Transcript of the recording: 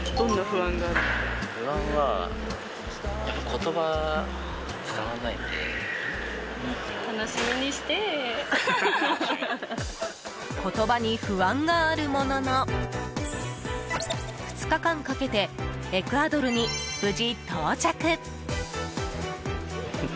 言葉に不安があるものの２日間かけてエクアドルに無事到着。